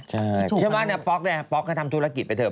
ใช่เชื่อว่าเนี่ยป๊อกก็ทำธุรกิจไปเถอะ